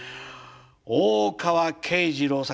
大川慶次郎さん